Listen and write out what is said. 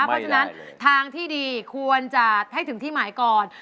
เพราะฉะนั้นทางที่ดีควรจะให้ถึงที่หมายก่อน